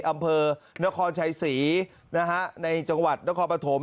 อำเภอนครชัยศรีนะฮะในจังหวัดนครปฐม